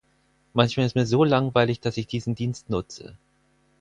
Manchmal ist mir so langweilig, dass ich diesen Dienst nutze.